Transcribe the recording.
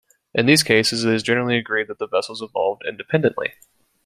In these cases, it is generally agreed that the vessels evolved independently.